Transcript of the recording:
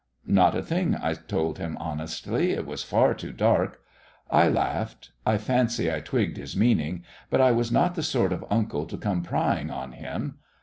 "Not a thing," I told him honestly. "It was far too dark." I laughed. I fancied I twigged his meaning. But I was not the sort of uncle to come prying on him.